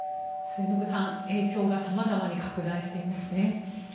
末延さん、影響が様々に拡大していますね。